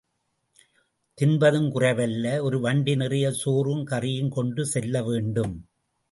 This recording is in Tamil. தின்பதும் குறைவு அல்ல ஒரு வண்டி நிறையச் சோறும் கறியும் கொண்டு செல்ல வேண்டும்.